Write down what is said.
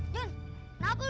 jun kenapa lo